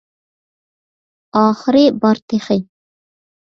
ئاخىرى بار تېخى!